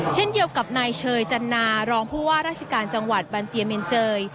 เช่นเดียวกับนายเชยจันนารองผู้ว่าราชการจังหวัดบันเตียเมนเจย